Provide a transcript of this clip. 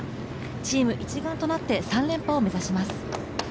チーム一丸となって３連覇を目指します。